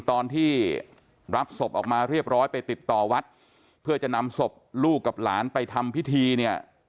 ตอนที่รับศพออกมาเรียบร้อยไปติดต่อวัดเพื่อจะนำศพลูกกับหลานไปทำพิธีเนี่ย